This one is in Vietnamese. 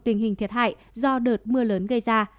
tình hình thiệt hại do đợt mưa lớn gây ra